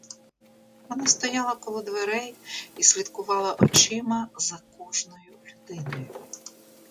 Вона стояла коло дверей і слідкувала очима за кожною людиною.